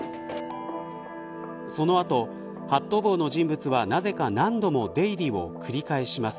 その後、ハット帽の人物はなぜか何度も出入りを繰り返します。